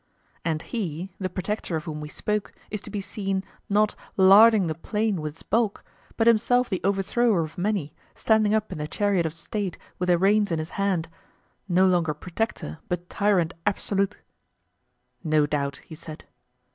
And he, the protector of whom we spoke, is to be seen, not 'larding the plain' with his bulk, but himself the overthrower of many, standing up in the chariot of State with the reins in his hand, no longer protector, but tyrant absolute. No doubt, he said.